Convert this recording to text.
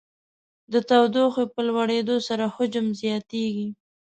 د تودوخې په لوړېدو سره حجم زیاتیږي.